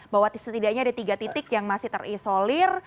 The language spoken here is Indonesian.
bahwa setidaknya ada tiga titik yang masih terisolir